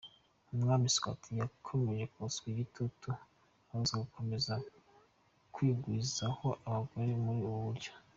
Umwami Mswati yakomeje kotswa igitutu abuzwa gukomeza kwigwizaho abagore muri ubu buryo.